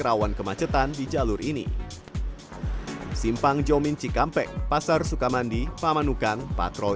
rawan kemacetan di jalur ini simpang jomin cikampek pasar sukamandi pamanukan patrol